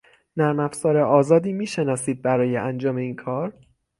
نرمافزار آزادی میشناسید برای انجام این کار؟